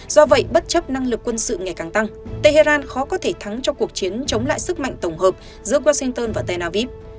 do vậy bất chấp năng lực quân sự ngày càng tăng tehran khó có thể thắng cho cuộc chiến chống lại sức mạnh tổng hợp giữa washington và tel aviv